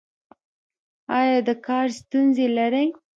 ایا د کار ستونزې لرئ؟